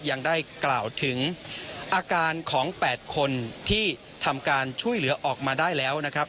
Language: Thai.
ยังได้กล่าวถึงอาการของ๘คนที่ทำการช่วยเหลือออกมาได้แล้วนะครับ